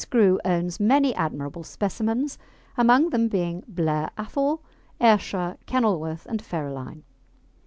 Grew owns many admirable specimens, among them being Blair Athol, Ayrshire, Kenilworth, and Ferraline.